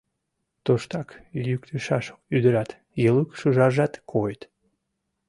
Туштак йӱктышаш ӱдырат, Елук шӱжаржат койыт.